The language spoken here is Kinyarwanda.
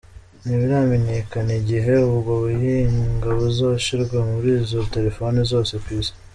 Ntibiramenyekana igihe ubwo buhinga buzoshirwa muri izo telefone zose kw'isi.